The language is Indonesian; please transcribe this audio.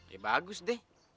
ya bagus deh